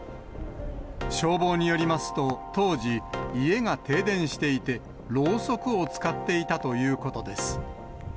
消防によりますと、当時、家が停電していて、ろうそくを使っていたということです。